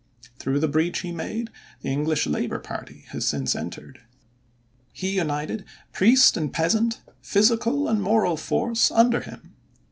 Through the breach he made, the English labor party has since entered. He united priest and peasant, physical and moral force, under him.